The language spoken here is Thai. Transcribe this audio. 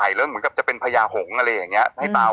ก็เลยกลายเป็นประเด็นแบบนี้ซึ่ง